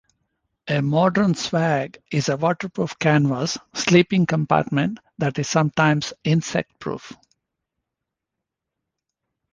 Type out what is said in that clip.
A modern swag is a waterproof canvas sleeping compartment that is sometimes insect-proof.